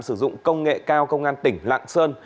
sử dụng công nghệ cao công an tỉnh lạng sơn